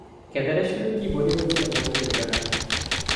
কেদারেশ্বরের কী বলিবার ছিল মনে পড়িল না।